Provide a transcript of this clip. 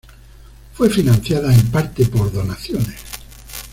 Fue financiada en parte por donaciones.